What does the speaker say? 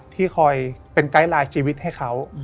ที่คอยเป็นไกด์ไลน์ชีวิตให้เขา